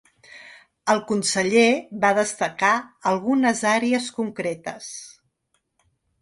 El conseller va destacar algunes àrees concretes.